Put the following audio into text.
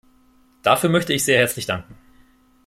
Dafür möchte ich sehr herzlich danken.